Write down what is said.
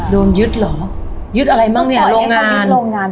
โดนยึดเหรอยึดอะไรบ้างนะโรงงาน